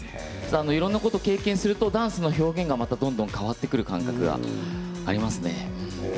いろんなことを経験するとダンスの表現が変わってくる感じがありますね。